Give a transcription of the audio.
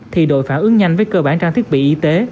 thì đội phản ứng nhanh với cơ bản trang thiết bị y tế